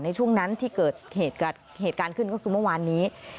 ในช่วงนั้นที่เกิดเหตุการณ์ขึ้นก็คือเมื่อวานนี้